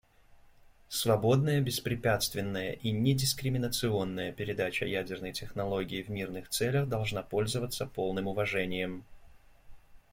Свободная, беспрепятственная и недискриминационная передача ядерной технологии в мирных целях должна пользоваться полным уважением.